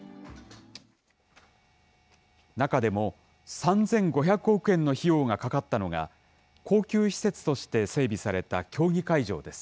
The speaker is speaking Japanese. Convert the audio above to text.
中でも３５００億円の費用がかかったのが、恒久施設として整備された競技会場です。